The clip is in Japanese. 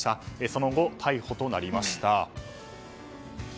その後、逮捕となりました。